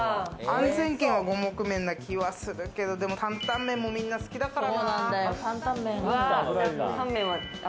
安全圏は五目麺な気がするけど、担担麺もみんな好きだからな。